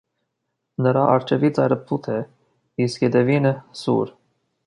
Նրա առջևի ծայրը բութ է, իսկ հետևինը՝սուր։